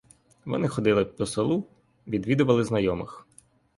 Вони ходили по селу, відвідували знайомих.